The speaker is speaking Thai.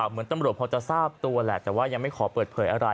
เหมือนตำรวจพอจะทราบตัวแหละแต่ว่ายังไม่ขอเปิดเผยอะไร